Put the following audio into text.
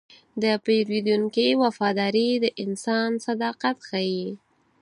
د پیرودونکي وفاداري د انسان صداقت ښيي.